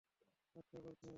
আচ্ছা, গর্দভ।